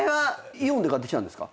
イオンで買ってきたんですか？